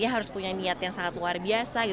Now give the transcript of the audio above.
dia harus punya niat yang sangat luar biasa